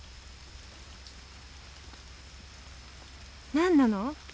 何なの？